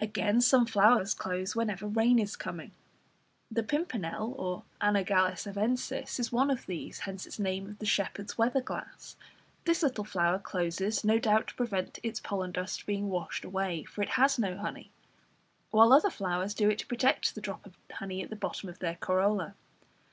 Again, some flowers close whenever rain is coming. The pimpernel (Anagallis arvensis) is one of these, hence its name of the "Shepherd's Weather glass." This little flower closes, no doubt, to prevent its pollen dust being washed away, for it has no honey; while other flowers do it to protect the drop of honey at the bottom of their corolla.